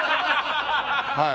はい。